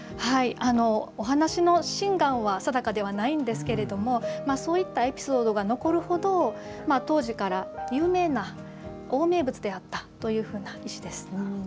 お話の真がんは定かではないんですがそういったエピソードが残るほど当時から有名な大名物であったという石です。